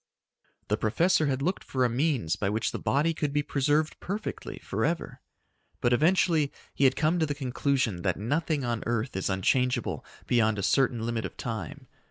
The professor had looked for a means by which the body could be preserved perfectly forever. But eventually he had come to the conclusion that nothing on earth is unchangeable beyond a certain limit of time.